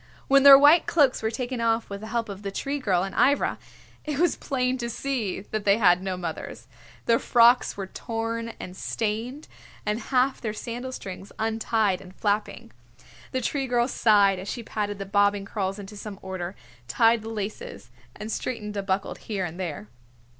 When their white cloaks were taken off with the help of the Tree Girl and Ivra, it was plain to see that they had no mothers. Their frocks were torn and stained, and half their sandal strings untied and flapping. The Tree Girl sighed as she patted the bobbing curls into some order, tied the laces and straightened a buckle here and there.